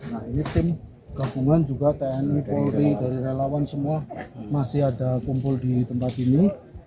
nah ini tim gabungan juga tni polri dari relawan semua masih ada kumpul di tempat ini